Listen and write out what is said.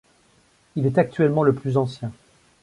Il est actuellement le plus ancien.